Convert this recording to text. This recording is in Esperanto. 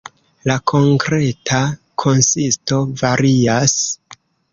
La konkreta konsisto varias.